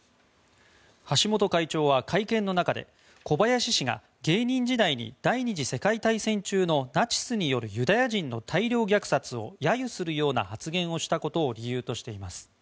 橋本会長は会見の中で小林氏が芸人時代に第２次世界大戦中のナチスによるユダヤ人の大量虐殺を揶揄するような発言をしたことを理由としています。